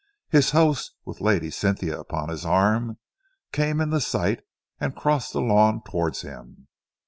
His host, with Lady Cynthia upon his arm, came into sight and crossed the lawn towards him.